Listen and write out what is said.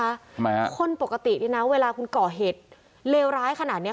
ทำไมฮะคนปกตินี่นะเวลาคุณก่อเหตุเลวร้ายขนาดเนี้ย